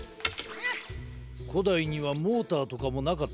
こだいにはモーターとかもなかったからな。